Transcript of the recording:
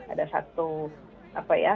ada satu apa ya